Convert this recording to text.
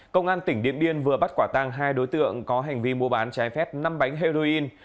công an tỉnh điện biên vừa bắt quả tăng hai đối tượng có hành vi mua bán trái phép năm bánh heroin